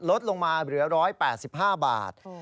ลดลงมาเหลือ๑๘๕บาท